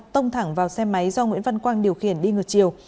tông thẳng vào xe máy do nguyễn văn quang điều khiển đi ngược chiều